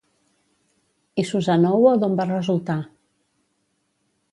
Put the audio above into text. I Susanowo d'on va resultar?